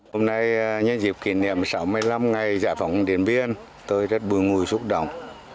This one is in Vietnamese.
hôm nay nhân dịp kỷ niệm sáu mươi năm ngày giải phóng điện biên tôi rất buồn ngùi xúc động